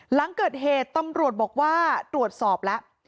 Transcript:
หลังเกิดเหตุตำรวจบอกว่าตรวจสอบแล้ว